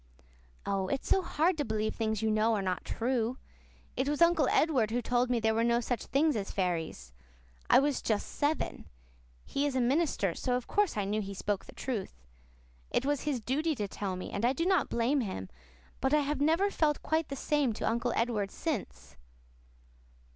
"Oh, it's so hard to believe things you know are not true. It was Uncle Edward who told me there were no such things as fairies. I was just seven. He is a minister, so of course I knew he spoke the truth. It was his duty to tell me, and I do not blame him, but I have never felt quite the same to Uncle Edward since."